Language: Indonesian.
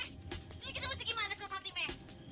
ini kita mesti gimana sama fatima